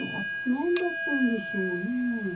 何だったんでしょうねえ。